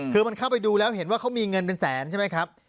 คือมันเข้าไปดูแล้วเห็นว่าเขามีเงินเป็นแสนใช่ไหมครับ